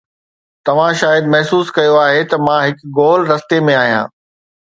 توهان شايد محسوس ڪيو آهي ته مان هڪ گول رستي ۾ آهيان